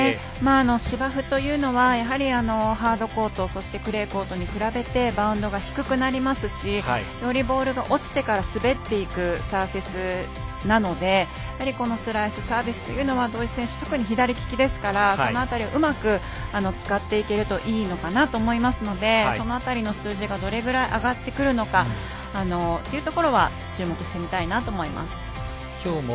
芝生というのはやはり、ハードコートそしてクレーコートに比べてバウンドが低くなりますしよりボールが落ちてから滑っていくサーフェスなのでこのスライスサービスというのは土居選手特に左利きですからその辺りをうまく使っていけるといいのかなと思いますのでその辺りの数字がどれぐらい上がってくるのかというところは注目してみたいなと思います。